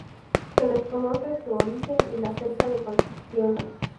Se desconoce su origen y la fecha de construcción.